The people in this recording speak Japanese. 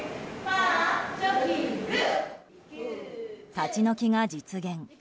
立ち退きが実現。